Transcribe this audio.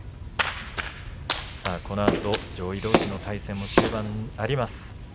このあと上位どうしの対戦終盤あります。